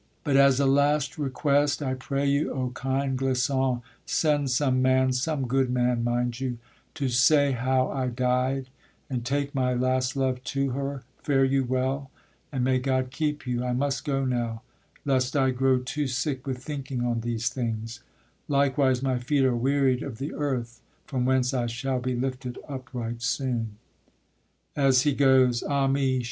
But as a last request, I pray you, O kind Clisson, send some man, Some good man, mind you, to say how I died, And take my last love to her: fare you well, And may God keep you; I must go now, lest I grow too sick with thinking on these things; Likewise my feet are wearied of the earth, From whence I shall be lifted upright soon. [As he goes. Ah me!